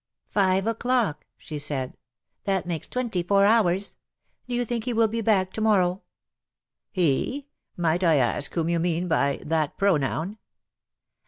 " Five o'clock/^ she said ;'' that makes twenty four hours. Do you think he will be back to morrow T' " He ? Might I ask whom you mean by that pronoun